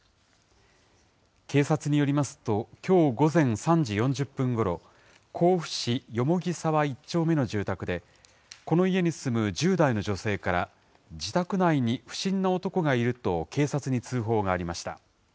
警察によりますと、きょう午前３時４０分ごろ、甲府市蓬沢１丁目の住宅で、この家に住む１０代の女性から、自宅内に不審な男がいると警察に通報がありました。